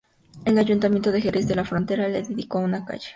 El Ayuntamiento de Jerez de la Frontera le dedicó una calle.